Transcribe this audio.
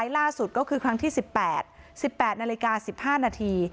ล่าสุดก็คือครั้งที่สิบแปดสิบแปดนาฬิกาสิบห้านาที